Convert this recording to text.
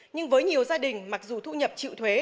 nhưng với nhiều gia đình mặc dù thu nhập chịu thuế